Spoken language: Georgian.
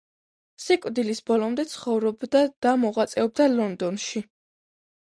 სიკვდილის ბოლომდე ცხოვრობდა და მოღვაწეობდა ლონდონში.